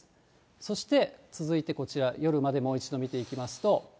そして続いてこちら、夜までもう一度見ていきますと。